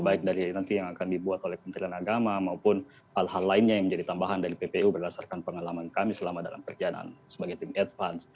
baik dari nanti yang akan dibuat oleh kementerian agama maupun hal hal lainnya yang menjadi tambahan dari ppu berdasarkan pengalaman kami selama dalam perjalanan sebagai tim advance